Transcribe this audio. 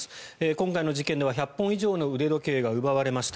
今回の事件では１００本以上の腕時計が奪われました。